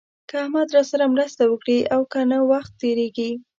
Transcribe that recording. که احمد راسره مرسته وکړي او که نه وخت تېرېږي.